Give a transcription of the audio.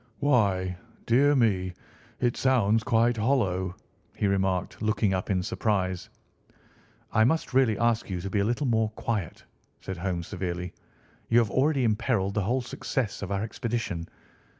"Why, dear me, it sounds quite hollow!" he remarked, looking up in surprise. "I must really ask you to be a little more quiet!" said Holmes severely. "You have already imperilled the whole success of our expedition.